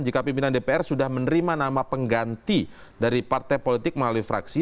jika pimpinan dpr sudah menerima nama pengganti dari partai politik melalui fraksi